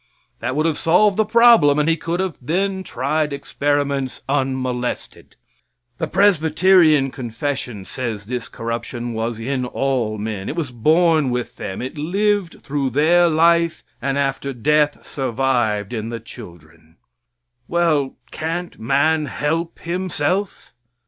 That would have solved the problem, and He could then have tried experiments unmolested. The Presbyterian confession says this corruption was in all men. It was born with them, it lived through their life, and after death survived in the children. Well, can't man help himself?